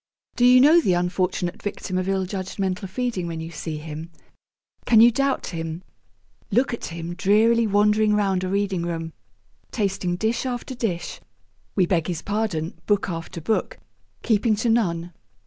Do you know the unfortunate victim of ill judged mental feeding when you see him? Can you doubt him? Look at him drearily wandering round a reading room, tasting dish after dish we beg his pardon, book after book keeping to none.